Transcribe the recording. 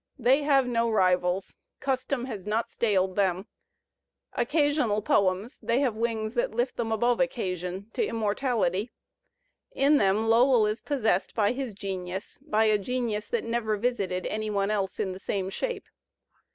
They have no rivals. Custom has not staled them. Occasional poems, they have wings that lift them above occasion to immortaUty. In them Lowell is possessed by his genius, by a genius that never visited any one else in the same shape.